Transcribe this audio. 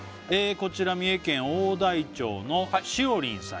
こちら三重県大台町のしおりんさん